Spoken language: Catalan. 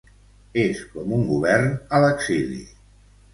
És com un govern a l’exili.